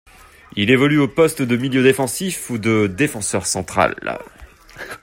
Il évolue au poste de milieu défensif ou de défenseur central.